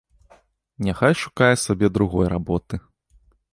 Няхай шукае сабе другой работы.